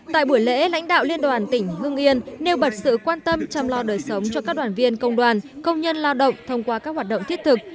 tại buổi lễ lãnh đạo liên đoàn tỉnh hương yên nêu bật sự quan tâm chăm lo đời sống cho các đoàn viên công đoàn công nhân lao động thông qua các hoạt động thiết thực